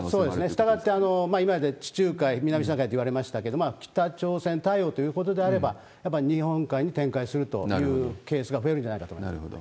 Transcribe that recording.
したがって、今言った地中海、南シナ海と言われましたけど、北朝鮮対応ということであれば、やっぱり日本海に展開するというケースが増えるんじゃないかと思なるほど。